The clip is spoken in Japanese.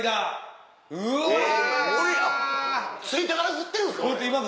無理やついてから振ってるんですか俺。